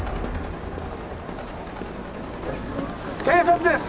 警察です！